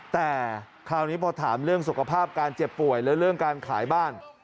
แต่คราวนี้พอถามเรื่องสุขภาพการเจ็บป่วยและเรื่องการขายบ้าน